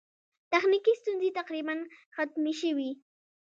تخنیکي ستونزې تقریباً ختمې شوې.